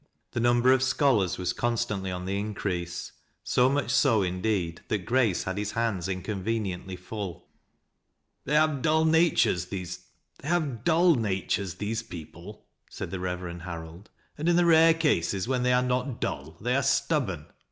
Tlenunibei of scholars was constantly on the increase, so much so, indeed, that Grace had his hands inconveniently full. " They have dull natures, these people," said the Rev erend Harold ;" and in the rare cases where they are not dull, they are stubborn.